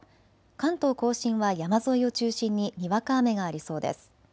関東甲信は山沿いを中心ににわか雨がありそうです。